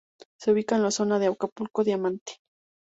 Se ubica en la zona de Acapulco Diamante.